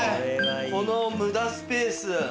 この無駄スペース。